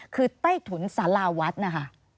คือใต้ถุนสาราวัดนะคะ